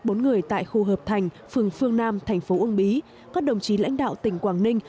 bốn người tại khu hợp thành phường phương nam thành phố uông bí các đồng chí lãnh đạo tỉnh quảng ninh